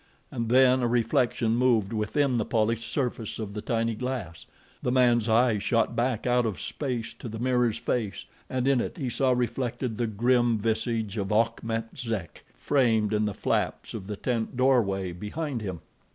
And then a reflection moved within the polished surface of the tiny glass, the man's eyes shot back out of space to the mirror's face, and in it he saw reflected the grim visage of Achmet Zek, framed in the flaps of the tent doorway behind him.